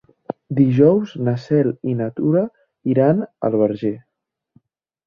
Dijous na Cel i na Tura iran al Verger.